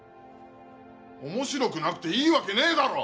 面白くなくていいわけねえだろ！